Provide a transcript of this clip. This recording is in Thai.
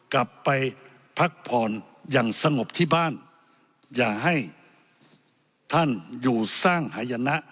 กลับไปพักผ่อนอย่างสงบที่บ้านอย่าให้ท่านอยู่สร้างหายนะ